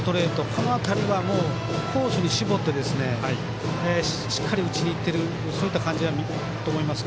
この辺りのコースに絞ってしっかり打ちにいっているそういった感じだと思います。